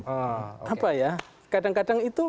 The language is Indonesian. apa ya kadang kadang itu